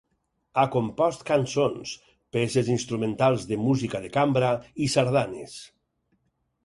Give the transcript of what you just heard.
Ha compost cançons, peces instrumentals de música de cambra i sardanes.